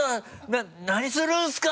な何するんですか！」